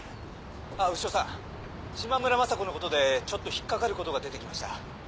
「あっ牛尾さん」「島村昌子の事でちょっと引っかかる事が出てきました」